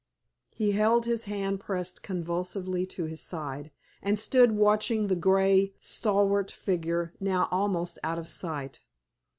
He held his hand pressed convulsively to his side, and stood watching the grey, stalwart figure now almost out of sight.